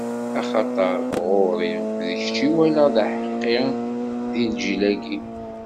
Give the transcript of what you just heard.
Axaṭer, ɣur-i, d kečč i walaɣ d aḥeqqi di lǧil-agi.